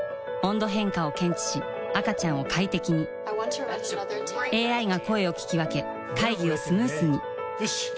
温度変化を検知し赤ちゃんを快適にＡＩが声を聞き分け会議をスムースによし！